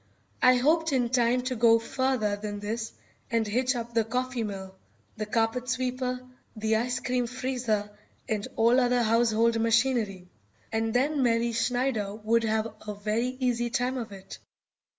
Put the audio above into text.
I hoped in time to go further than this and hitch up the coffee mill, the carpet sweeper, the ice cream freezer, and all our other household machinery, and then Mary Schneider would have a very easy time of it.